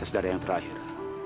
sebagai saudara yang terakhir